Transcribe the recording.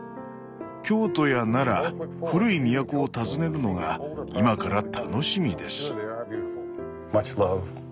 京都や奈良古い都を訪ねるのが今から楽しみです」。